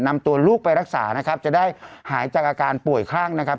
นำตัวลูกไปรักษานะครับจะได้หายจากอาการป่วยคลั่งนะครับ